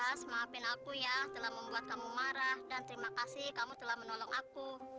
atas maafin aku ya telah membuat kamu marah dan terima kasih kamu telah menolong aku